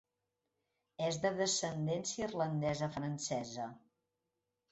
És de descendència islandesa-francesa.